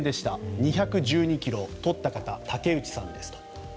２１２ｋｇ取った方、竹内さんです。